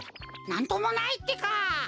なんともないってか！